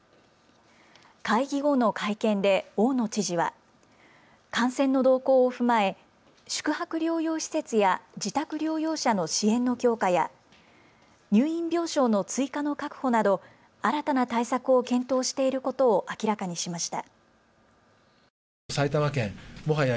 会議後の会見で大野知事は、感染の動向を踏まえ宿泊療養施設や自宅療養者の支援の強化や入院病床の追加の確保など新たな対策を検討していることを明らかにしました。